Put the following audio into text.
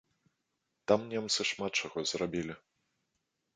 Там немцы шмат чаго зрабілі.